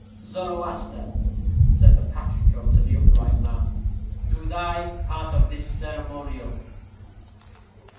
"Zoroaster," said the patrico to the upright man, "do thy part of this ceremonial."